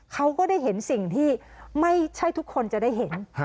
เขาก็ได้เห็นสิ่งที่ไม่ใช่ทุกคนจะได้เห็น